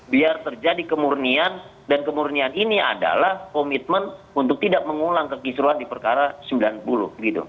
biar terjadi kemurnian dan kemurnian ini adalah komitmen untuk tidak mengulang kekisruan di perkara sembilan puluh gitu